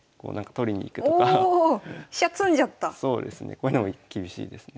こういうのも厳しいですね。